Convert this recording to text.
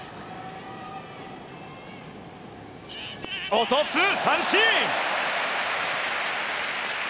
落とす、三振！